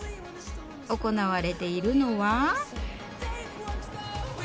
行われているのは。